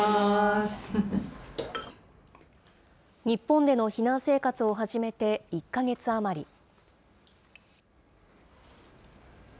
日本での避難生活を始めて１か月余り。